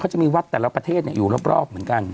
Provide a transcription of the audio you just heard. จะมีวัดแต่ละประเทศอยู่รอบเหมือนกัน